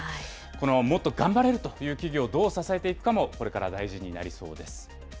このもっと頑張れるという企業をどう支えていくかも、これから大事になりそうです。